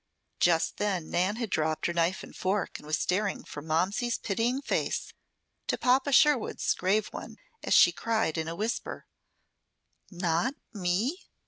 Just then Nan had dropped her knife and fork and was staring from Momsey's pitying face to Papa Sherwood's grave one, as she cried, in a whisper: "Not me?